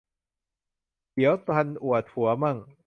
เดี๋ยวทันอวดผัวมั่ง